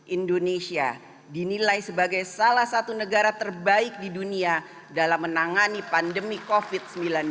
indonesia dinilai sebagai salah satu negara terbaik di dunia dalam menangani pandemi covid sembilan belas